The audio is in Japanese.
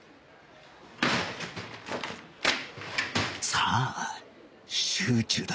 さあ集中だ！